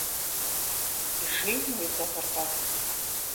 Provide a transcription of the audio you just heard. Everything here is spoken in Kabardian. Жейм уезэгъыркъэ?